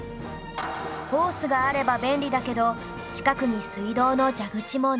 ホースがあれば便利だけど近くに水道の蛇口もない